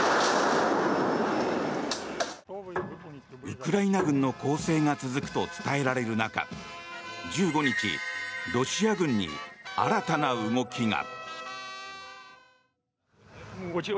ウクライナ軍の攻勢が続くと伝えられる中１５日、ロシア軍に新たな動きが。